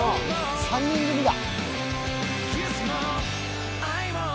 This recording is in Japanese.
３人組だ。